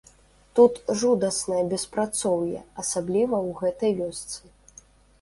Тут жудаснае беспрацоўе, асабліва ў гэтай вёсцы.